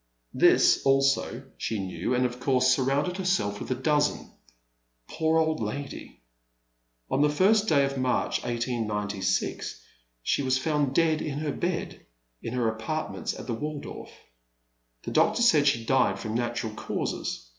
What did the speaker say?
This also she knew and of course surrounded herself with a dozen. Poor old lady ! On the ist day of March, 1896, she was found dead in her bed in her apartments at the Waldorf. The doctor said she died from natural causes.